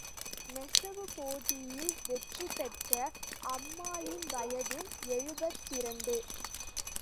நெசவுப் போட்டியில் வெற்றி பெற்ற அம்மாளின் வயது எழுபத்திரண்டு.